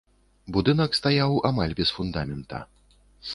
Будынак стаяў амаль без фундамента.